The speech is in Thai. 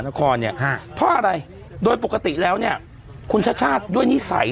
นครเนี่ยฮะเพราะอะไรโดยปกติแล้วเนี่ยคุณชาติชาติด้วยนิสัย